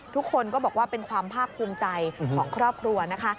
ทุกคนก็บอกว่าเป็นความภาคภูมิใจของครอบครัวนะคะ